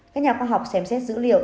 các nhà khoa học xem xét dữ liệu